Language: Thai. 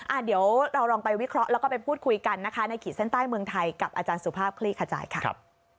อ่ะเดี๋ยวเราลองไปวิเคราะห์แล้วก็ไปพูดคุยกันนะคะในขีดเส้นใต้เมืองไทยกับอาจารย์สุภาพคลี่ขจายค่ะ